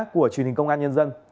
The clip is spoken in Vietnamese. của truyền hình công an nhân dân